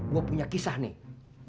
gue punya kisah nih